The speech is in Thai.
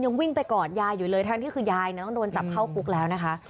วิ่งไปกอดยายอยู่เลยทั้งที่คือยายเนี่ยต้องโดนจับเข้าคุกแล้วนะคะ